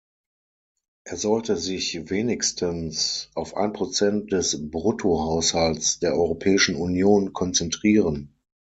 Er sollte sich wenigstens auf ein Prozent des Bruttohaushalts der Europäischen Union konzentrieren.